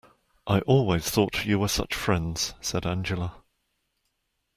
"I always thought you were such friends," said Angela.